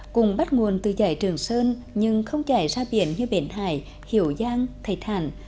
cùng bắt nguồn từ dải trường sơn nhưng không chạy ra biển như bển hải hiểu giang thầy thản